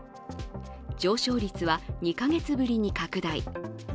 上昇率は２か月ぶりに拡大。